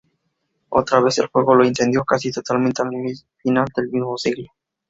Otra vez el fuego lo incendió casi totalmente al final del mismo siglo.